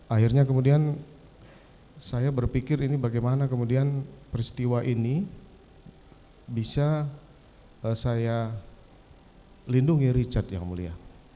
akhirnya kemudian saya berpikir ini bagaimana kemudian peristiwa ini bisa saya lindungi richard yang mulia